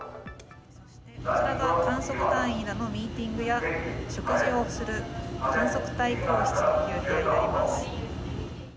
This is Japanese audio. こちらが観測隊員らのミーティングや食事をする観測隊公室という部屋になります。